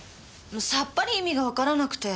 さっぱり意味がわからなくて。